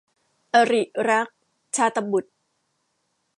อริรัก - ชาตบุษย์